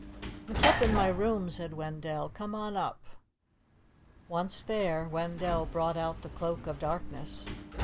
"It's up in my room," said Wendell. "Come on up." Once there, Wendell brought out the Cloak of Darkness.